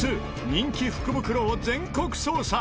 人気福袋を全国捜査！